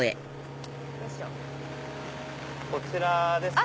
こちらですね。